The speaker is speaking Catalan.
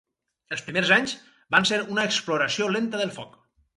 Els primers anys, van ser una exploració lenta del foc.